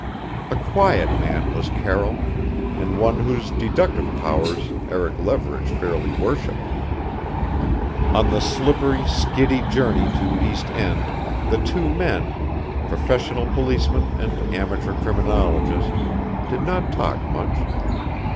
A quiet man was Carroll, and one whose deductive powers Eric Leverage fairly worshiped. On the slippery, skiddy journey to East End the two men professional policeman and amateur criminologist did not talk much.